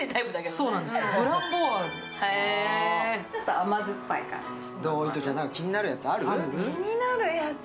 ちょっと甘酸っぱい感じです。